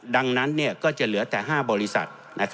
ดังนั้นก็จะเหลือแต่๕บริษัท